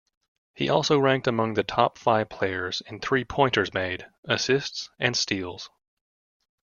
He also ranked among the top five players in three-pointers made, assists, and steals.